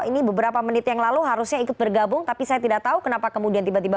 sebenarnya ibu juga tidak menyebut siapa siapa